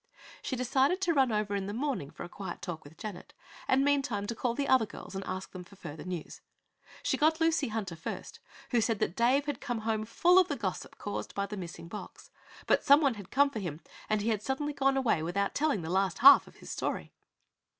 She decided to run over in the morning for a quiet talk with Janet and meantime to call the other girls and ask them for further news. She got Lucy Hunter first, who said that Dave had come home full of the gossip caused by the missing box, but some one had come for him and he had suddenly gone away without telling the last half of his story.